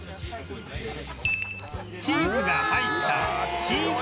チーズが入った